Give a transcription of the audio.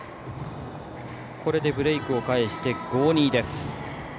これでブレークを返して５−２です。